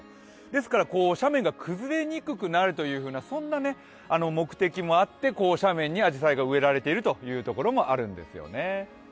ですから斜面が崩れにくくなるという、そんな目的もあって、斜面にあじさいが植えられている面もあるんですね。